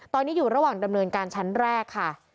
ตอนนี้อยู่ระหว่างดำเนินการชั้นแรกค่ะ